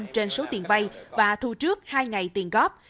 trên số tiền vay và thu trước hai ngày tiền góp